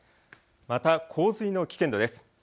また洪水の危険度です。